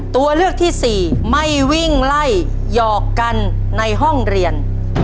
ตัวเลือกที่สี่ไม่วิ่งไล่หยอกกันในห้องเรียน